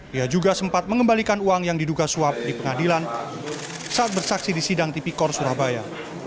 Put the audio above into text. dia juga sempat mengembalikan uang yang diduga suap di pengadilan saat bersaksi di sidang tipikor surabaya